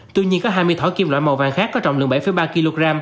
tuy nhiên có hai mươi thỏi kim loại màu vàng khác có trọng lượng bảy ba kg